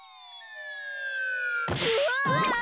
うわ！